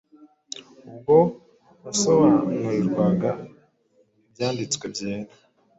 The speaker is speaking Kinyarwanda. Ubwo yasobanurirwaga Ibyanditswe Byera,